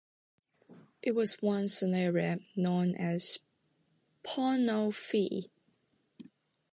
It was once an area known as Pownall Fee.